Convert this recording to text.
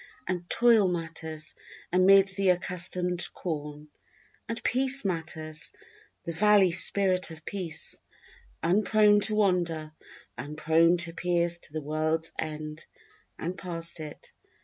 And toil matters, amid the accustomed corn, And peace matters, the valley spirit of peace, unprone to wander, Unprone to pierce to the world's end and past it.